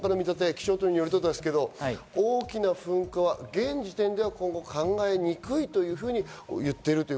気象庁によると、大きな噴火は現時点では考えにくいというふうに言っている。